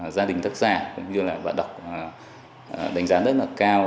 gia đình tác giả cũng như là bạn đọc đánh giá rất là cao